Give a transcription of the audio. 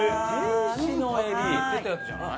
言ってたやつじゃない？